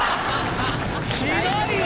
ひどいわ！